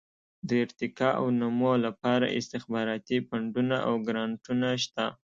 د ارتقاء او نمو لپاره استخباراتي فنډونه او ګرانټونه شته.